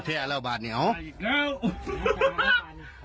ไม่เอาอันเต้นเห็นด้วย